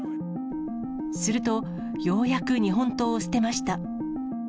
すると、ようやく日本刀を捨てました。